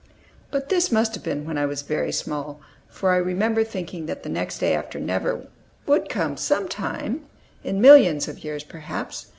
'" But this must have been when I was very small; for I remember thinking that "the next day after never" would come some time, in millions of years, perhaps.